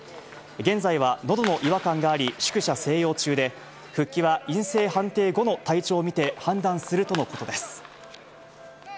現在はのどの違和感があり、宿舎静養中で、復帰は陰性判定後の体調を見て判断するとのことです。